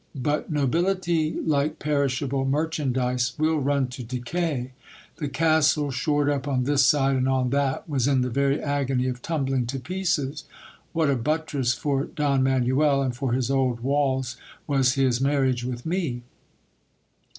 But nobility, like perishable merchandise, will run to decay ; the castle, shored up on this side and on that, was in the very agony of tumbling to pieces : what a buttress for Don Manuel and for his old walls was his mar riage with me